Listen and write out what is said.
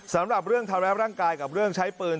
สำหรับเรื่องทำร้ายร่างกายกับเรื่องใช้ปืน